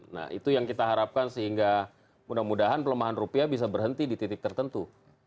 nah itu yang kita harapkan sehingga mudah mudahan pelemahan rupiah bisa berhenti di titik tertentu